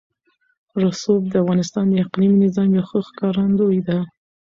رسوب د افغانستان د اقلیمي نظام یوه ښه ښکارندوی ده.